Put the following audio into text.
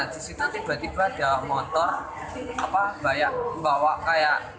nah disitu tiba tiba ada motor bawa kayak